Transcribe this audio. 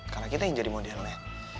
karena kita yang jadi modelnya